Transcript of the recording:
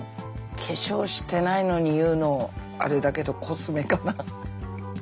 化粧してないのに言うのあれだけどコスメかな。